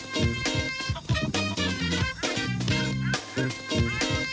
เจ๊ต๊าร์